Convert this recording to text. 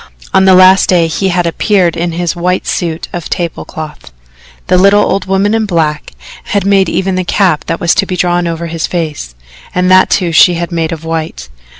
On the last day he had appeared in his white suit of tablecloth. The little old woman in black had made even the cap that was to be drawn over his face, and that, too, she had made of white.